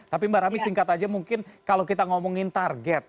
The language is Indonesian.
tapi mbak rami singkat aja mungkin kalau kita ngomongin target